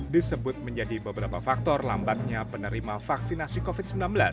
disebut menjadi beberapa faktor lambatnya penerima vaksinasi covid sembilan belas